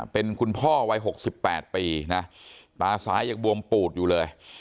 เป็นคุณพ่อวัยหกสิบแปดปีนะตาซ้ายอย่างบวมปูดอยู่เลย